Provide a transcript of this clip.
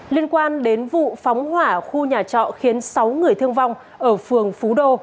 liên quan đến vụ phóng hỏa khu nhà trọ khiến sáu người thương vong ở phường phú đô